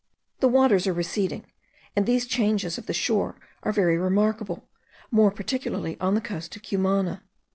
The waters are receding, and these changes of the shore are very remarkable, more particularly on the coast of Cumana.